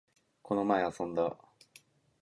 この前、遊んだ